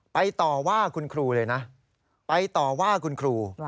ต่อว่าคุณครูเลยนะไปต่อว่าคุณครู